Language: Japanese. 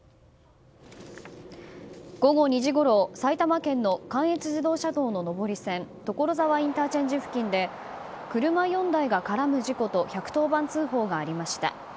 午後２時ごろ、埼玉県の関越自動車道の上り線所沢ＩＣ付近で車４台が絡む事故と１１０番通報がありました。